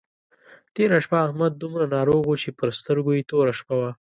تېره شپه احمد دومره ناروغ وو چې پر سترګو يې توره شپه وه.